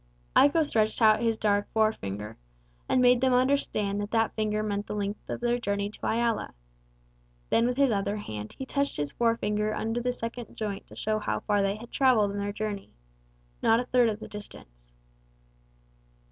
Iko stretched out his dark forefinger, and made them understand that that finger meant the length of their journey to Iala. Then with his other hand he touched his forefinger under the second joint to show how far they had travelled on their journey not a third of the distance.